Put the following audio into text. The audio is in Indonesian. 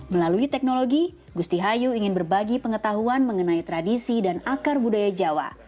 melalui teknologi gustihayu ingin berbagi pengetahuan mengenai tradisi dan akar budaya jawa